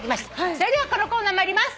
それではこのコーナー参ります。